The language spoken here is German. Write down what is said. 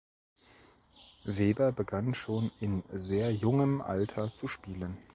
Weber begann schon in sehr jungem Alter zu spielen.